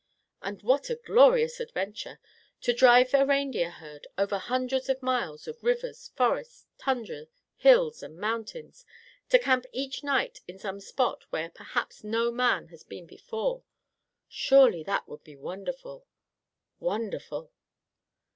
And what a glorious adventure! To drive a reindeer herd over hundreds of miles of rivers, forests, tundra, hills and mountains; to camp each night in some spot where perhaps no man has been before; surely that would be wonderful! Wonderful!"